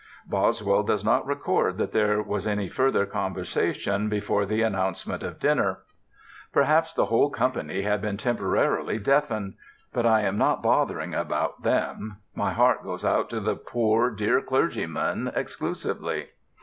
Boswell does not record that there was any further conversation before the announcement of dinner. Perhaps the whole company had been temporarily deafened. But I am not bothering about them. My heart goes out to the poor dear clergyman exclusively.